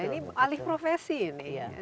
ini alih profesi ini